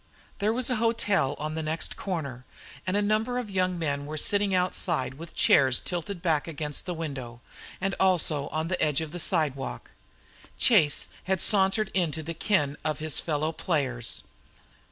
There was a hotel on the next corner, and a number of young men were sitting outside with chairs tilted back against the window, and also on the edge of the sidewalk. Chase had sauntered into the ken of his fellow players.